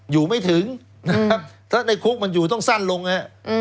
อยู่ไม่ถึงนะครับถ้าในคุกมันอยู่ต้องสั้นลงฮะ